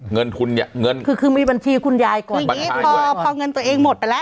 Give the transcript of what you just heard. เงินทุนเนี่ยเงินคือคือมีบัญชีคุณยายก่อนคืออย่างงี้พอพอเงินตัวเองหมดไปแล้ว